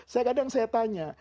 kadang kadang saya tanya